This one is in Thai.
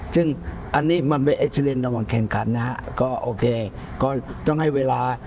ซึ่งอันนี้มันเป็นเอ็กซาเรนระหว่างแข่งขันนะฮะก็โอเคก็ต้องให้เวลา